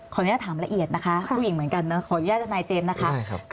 อนุญาตถามละเอียดนะคะผู้หญิงเหมือนกันนะขออนุญาตทนายเจมส์นะคะ